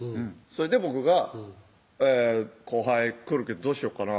それで僕が「後輩来るけどどうしようかな」